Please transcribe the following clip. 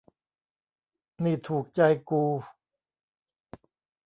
นี่ถูกใจกู